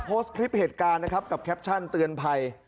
โพสต์คลิปเหตุการณ์นะครับกับแคปชั่นเตือนภัย